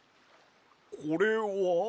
これは？